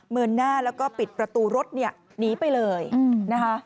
เดินหน้าแล้วก็ปิดประตูรถเนี่ยหนีไปเลยนะคะ